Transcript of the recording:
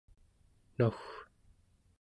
nauw'